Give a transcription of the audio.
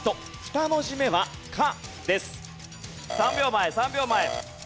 ３秒前３秒前。